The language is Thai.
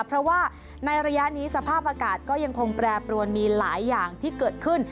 เพราะว่าในระยะนี้สภาพอากาศก็ยังคงแปรปรวนมีหลายอย่างที่เกิดขึ้น